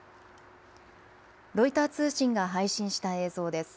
ロイター通信が配信した映像です。